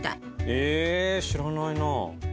へえ知らないな。